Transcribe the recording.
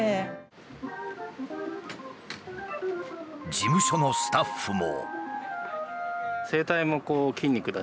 事務所のスタッフも。